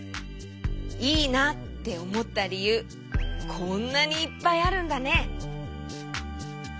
いいなっておもったりゆうこんなにいっぱいあるんだね。